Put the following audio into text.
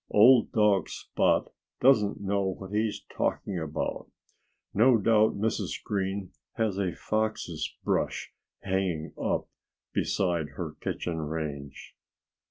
Old dog Spot doesn't know what he's talking about. No doubt Mrs. Green has a Fox's brush hanging up beside her kitchen range."